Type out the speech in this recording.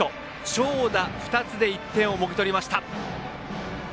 長打２つで１点をもぎ取りました。